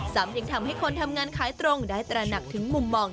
ซ้ำยังทำให้คนทำงานขายตรงได้ตระหนักถึงมุมมอง